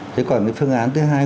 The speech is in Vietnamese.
thế còn cái phương án thứ hai